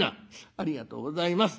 「ありがとうございます。